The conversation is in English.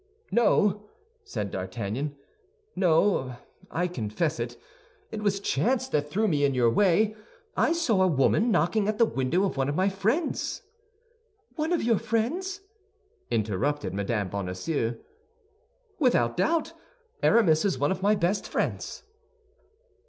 "No," said D'Artagnan; "no, I confess it. It was chance that threw me in your way; I saw a woman knocking at the window of one of my friends." "One of your friends?" interrupted Mme. Bonacieux. "Without doubt; Aramis is one of my best friends."